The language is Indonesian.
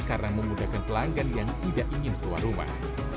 karena memudahkan pelanggan yang tidak ingin keluar rumah